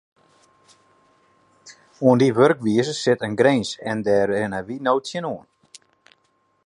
Oan dy wurkwize sit in grins en dêr rinne wy no tsjinoan.